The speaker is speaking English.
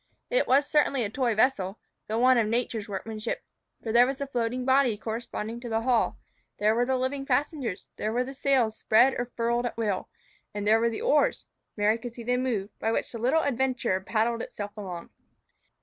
It was certainly a toy vessel, though one of nature's workmanship; for there was the floating body corresponding to the hull, there the living passenger, there the sails spread or furled at will, and there the oars (Mary could see them move) by which the little adventurer paddled itself along.